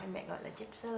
mẹ gọi là chất sơ